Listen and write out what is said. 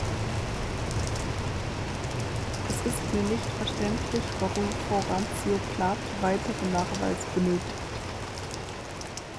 Es ist mir nicht verständlich, warum Frau Randzio-Plath weitere Nachweise benötigt.